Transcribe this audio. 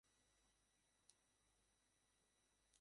এদের মধ্যে রয়েছে ডিজেল ইঞ্জিন লোকোমোটিভ।